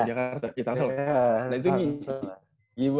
di jakarta di tangsel